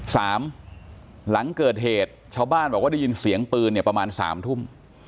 หลังเกิดเหตุชาวบ้านบอกว่าได้ยินเสียงปืนเนี่ยประมาณสามทุ่ม